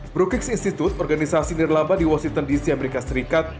brookings institute organisasi nirlamba di washington dc amerika serikat